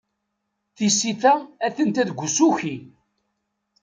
Tisita atenta deg usuki.